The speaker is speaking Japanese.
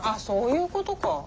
そういうことか。